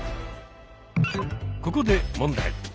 ここで問題。